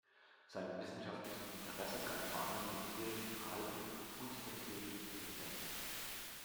Sein wissenschaftliches Interesse galt vor allem dem tierischen Verhalten und der tierischen Intelligenz.